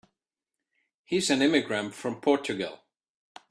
He's an immigrant from Portugal.